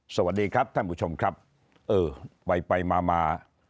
สวัสดีครับท่านผู้ชมครับเออไปไปมามา